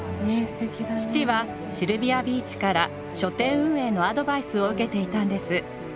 父はシルヴィア・ビーチから書店運営のアドバイスを受けていたんです。